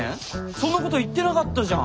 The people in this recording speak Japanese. そんなこと言ってなかったじゃん！